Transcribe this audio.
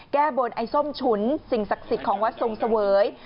แก้บนไอ้ส้มฉุนสิ่งศักดิ์สิทธิ์ของวัดทรงเสวย